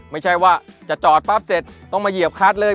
ไม่ใช่ว่าจะจอดปั๊บเสร็จต้องมาเหยียบคัดเลย